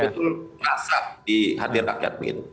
pak jokowi itu betul betul kasar di hati rakyat begitu